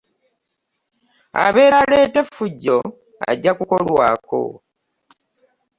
Abeera aleeta effujjo ajja kukolwako.